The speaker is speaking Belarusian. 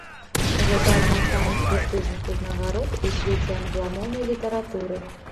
Гэта адна з самых прэстыжных узнагарод у свеце англамоўнай літаратуры.